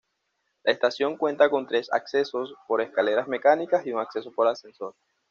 La estación cuenta con tres accesos por escaleras mecánicas y un acceso por ascensor.